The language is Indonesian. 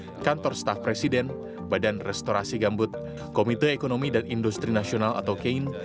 kepala kantor staff presiden badan restorasi gambut komite ekonomi dan industri nasional atau kein